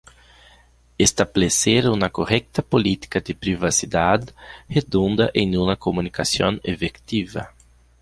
Establecer una correcta política de privacidad redunda en una comunicación efectiva.